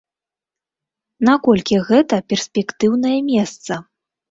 Наколькі гэта перспектыўнае месца?